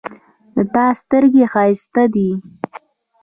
د تا سترګې ښایسته دي